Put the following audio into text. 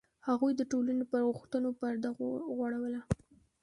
هغوی د ټولنې پر غوښتنو پرده غوړوله.